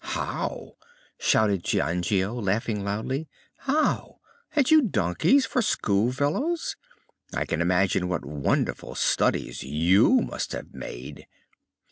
"How?" shouted Giangio, laughing loudly. "How? had you donkeys for school fellows? I can imagine what wonderful studies you must have made!"